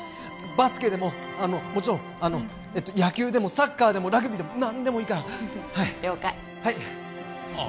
バスケでももちろん野球でもサッカーでもラグビーでも何でもいいから了解はいあ